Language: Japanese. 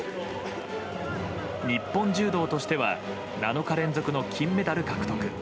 日本柔道としては７日連続の金メダル獲得。